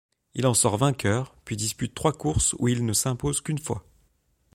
Il en sort vainqueur, puis dispute trois courses où il ne s'impose qu'une fois.